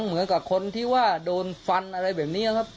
เหมือนกับคนที่ว่าโดนฟันอะไรแบบนี้ครับ